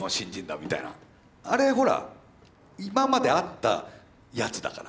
あれほら今まであったやつだから。